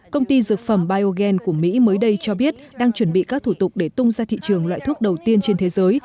công ty dược phẩm biogen của mỹ mới đây cho biết đang chuẩn bị các thủ tục để tung ra thị trường loại thuốc đầu tiên trên thế giới